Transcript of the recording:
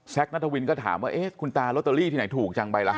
นัทวินก็ถามว่าเอ๊ะคุณตาลอตเตอรี่ที่ไหนถูกจังไปล่ะ